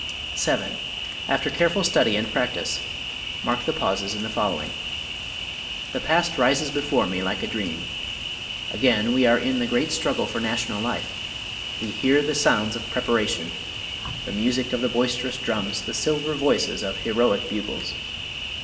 7. After careful study and practice, mark the pauses in the following: The past rises before me like a dream. Again we are in the great struggle for national life. We hear the sounds of preparation the music of the boisterous drums, the silver voices of heroic bugles.